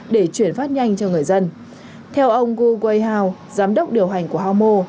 để chuyển phát nhanh cho người dân theo ông gu gui hao giám đốc điều hành của hau mo